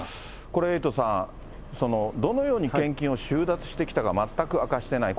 これ、エイトさん、どのように献金を収奪してきたか、全く明かしてない。